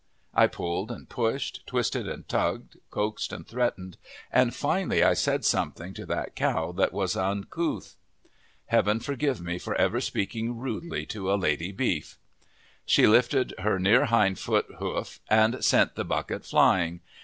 I pulled and pushed, twisted and tugged, coaxed and threatened, and finally I said something to that cow that was uncouth. Heaven forgive me for ever speaking rudely to a lady beef! She lifted her near hind hoof and sent the bucket flying.